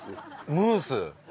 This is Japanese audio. ムース。